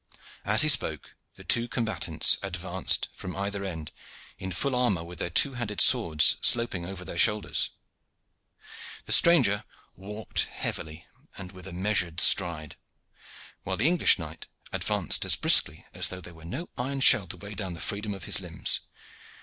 As he spoke, the two combatants advanced from either end in full armor with their two handed swords sloping over their shoulders. The stranger walked heavily and with a measured stride, while the English knight advanced as briskly as though there was no iron shell to weigh down the freedom of his limbs.